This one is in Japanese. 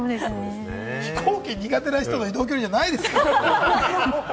飛行機苦手な人の移動距離じゃないですよ。